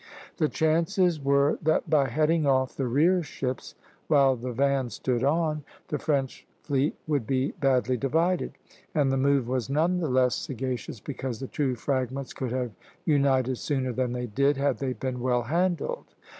The chances were that by heading off the rear ships, while the van stood on, the French fleet would be badly divided; and the move was none the less sagacious because the two fragments could have united sooner than they did, had they been well handled.